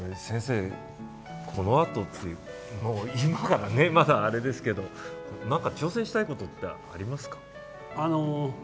先生、このあともう今から、まだあれですけどなんか挑戦したいことってありますか？